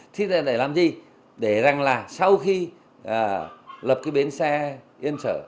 thì để làm gì để rằng là sau khi lập cái bến xe yên sở